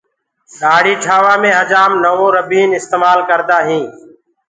ڏآڙهي ٺآوآ مي هجآم نوَو ربيٚن استمآل ڪردآ هينٚ۔